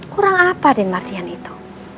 kurang apa denmar dian itu